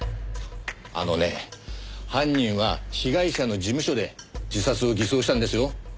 あのね犯人は被害者の事務所で自殺を偽装したんですよ。